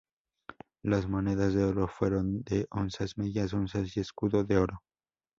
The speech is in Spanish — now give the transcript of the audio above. Las monedas de oro fueron de onzas, medias onzas y escudo de oro.